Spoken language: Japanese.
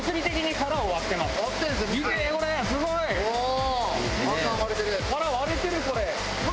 殻割れてるこれ！